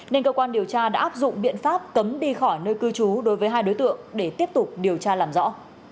nên cơ quan điều tra đã áp dụng biện pháp cấm đi khỏi nơi cư trú đối với hai đối tượng để tiếp tục điều tra làm rõ